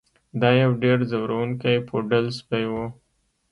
دا یو ډیر ځورونکی پوډل سپی و